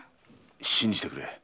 信じてくれ。